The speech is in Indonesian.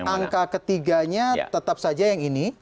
angka ketiganya tetap saja yang ini